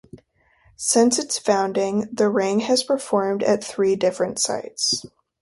Since its founding, the Ring has performed at three different sites.